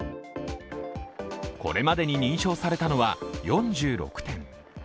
これまでに認証されたのは４６店。